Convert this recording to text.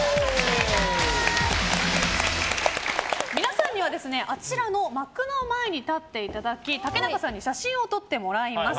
皆さんにはあちらの幕の前に立っていただき竹中さんに写真を撮ってもらいます。